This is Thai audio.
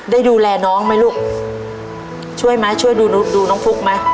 ได้ดูแลน้องไหมลูกช่วยไหมช่วยดูน้องฟุ๊กไหม